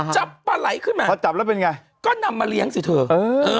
จับปลาไหลขึ้นมาพอจับแล้วเป็นไงก็นำมาเลี้ยงสิเธอเออ